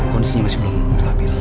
kondisi masih belum tertampil ya